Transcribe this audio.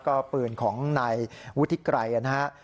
ก็ปืนของในวุฒิไกรนะครับ